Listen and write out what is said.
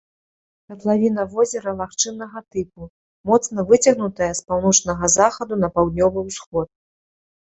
Катлавіна возера лагчыннага тыпу, моцна выцягнутая з паўночнага захаду на паўднёвы ўсход.